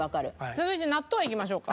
続いて納豆いきましょうか。